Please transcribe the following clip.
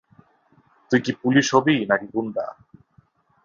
তুই কি পুলিশ হবি না-কি গুন্ডা?